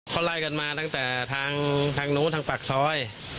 เขาไล่กันมาตั้งแต่ทางนู้นทางปากซอย